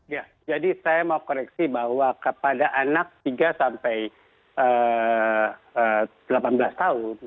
ya jadi saya mau koreksi bahwa kepada anak tiga sampai delapan belas tahun